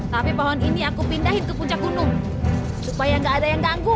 tapi pohon ini aku pindahin ke puncak gunung supaya nggak ada yang ganggu